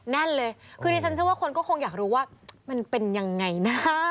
แน่นเลยคือดิฉันเชื่อว่าคนก็คงอยากรู้ว่ามันเป็นยังไงนะ